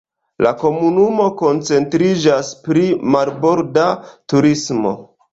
La komunumo koncentriĝas pri marborda turismo.